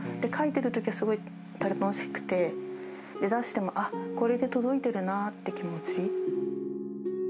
書いてるときはすごく楽しくて、出しても、あっ、これで届いてるなって気持ち。